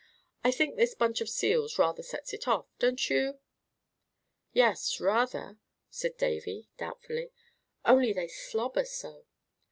I think this bunch of seals rather sets it off, don't you?" "Yes, rather," said Davy, doubtfully; "only they slobber so."